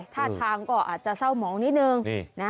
ท่าทางก็อาจจะเศร้าหมองนิดนึง